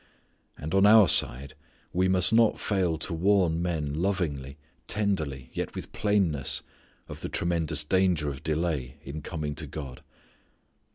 And on our side, we must not fail to warn men lovingly, tenderly yet with plainness of the tremendous danger of delay, in coming to God.